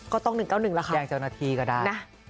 ก็ต้อง๑๙๑ละครับยังจนนาทีก็ได้